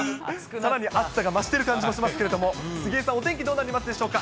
さらに暑さが増している感じもしますけれども、杉江さん、お天気どうなりますでしょうか。